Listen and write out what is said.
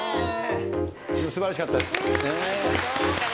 素晴らしかったです。